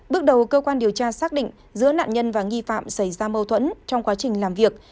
bước đầu cơ quan điều tra xác định giữa nạn nhân và nghi phạm xảy ra mâu thuẫn trong quá trình làm việc